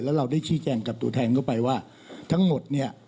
แล้วเราได้ชี้แจงกับตัวแทนเข้าไปว่าทั้งหมดเนี่ย